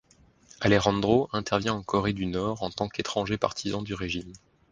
Alejandro intervient en Corée du Nord en tant qu'étranger partisan du régime.